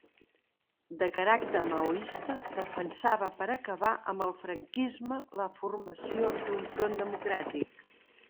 De caràcter maoista, defensava per acabar amb el franquisme la formació d'un Front Democràtic.